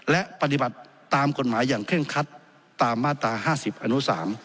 และปฏิบัติตามกฎหมายอย่างเคร่งคัดตามมาตรา๕๐อนุ๓